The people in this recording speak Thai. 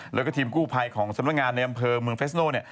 แล้วก็ทีมกู้ภัยของสำนักงานในอำเภอเมืองเฟสโน่